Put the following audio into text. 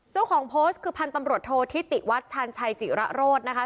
เจ้าของโพสต์คือพันธุ์ตำรวจโทษธิติวัดชาญชัยจิระโรธนะคะ